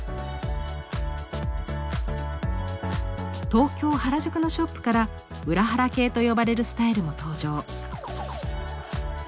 東京・原宿のショップから「裏原系」と呼ばれるスタイルも登場。